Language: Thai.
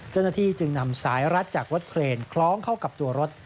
เจ้าหน้าที่จึงนำสายรัดจากรถเครนคล้องเข้ากับตัวรถ